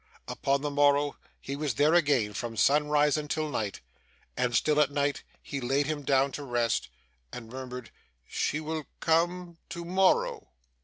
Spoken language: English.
Upon the morrow he was there again from sunrise until night; and still at night he laid him down to rest, and murmured, 'She will come to morrow!